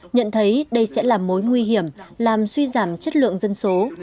nhận thấy đây sẽ là mối nguy hiểm làm suy giảm chất lượng dân số